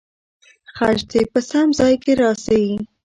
خج دې په سم ځای کې راسي.